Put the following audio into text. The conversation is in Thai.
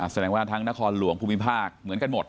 แสดงว่าทั้งนครหลวงภูมิภาคเหมือนกันหมด